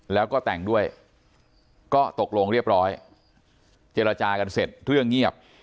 แล้วก็แต่งด้วยก็ตกลงเรียบร้อยเจรจากันเสร็จเรื่องเงียบ